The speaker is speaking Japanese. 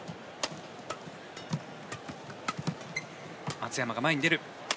松山が前に出る。